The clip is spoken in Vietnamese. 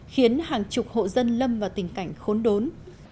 khiến hàng chục hộ dân lâm vào tình cảnh khốn đốn